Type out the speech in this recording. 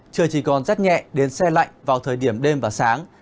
trời chỉ còn rét nhẹ đến xe lạnh vào thời điểm đêm và sáng